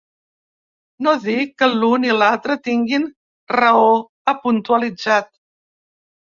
No dic que l’un i l’altre tinguin raó, ha puntualitzat.